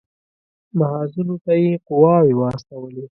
محاذونو ته یې قواوې واستولې.